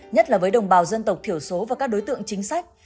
nhất là với đồng bào dân tộc thiểu số và các đối tượng chính sách